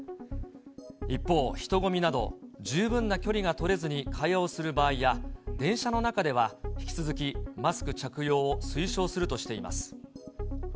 一方、人混みなど、十分な距離が取れずに会話をする場合や、電車の中では引き続きマスク着用を推奨するとしています。